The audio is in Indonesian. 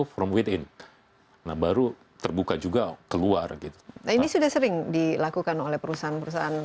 from with in nah baru terbuka juga keluar gitu nah ini sudah sering dilakukan oleh perusahaan perusahaan